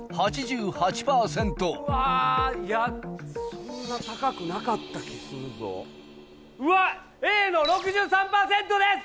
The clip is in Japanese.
そんな高くなかった気するぞうわっＡの６３％です！